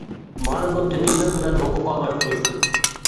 مانا بۇ تىنچلىق بىلەن ھوقۇق ئالماشتۇرۇشتۇر.